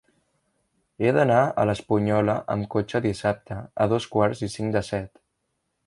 He d'anar a l'Espunyola amb cotxe dissabte a dos quarts i cinc de set.